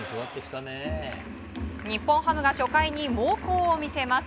日本ハムが初回に猛攻を見せます。